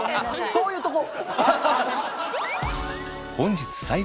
そういうとこ。